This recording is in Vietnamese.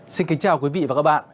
xin kính chào quý vị và các bạn